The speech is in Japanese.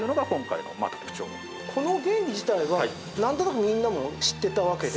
この原理自体はなんとなくみんなも知っていたわけで。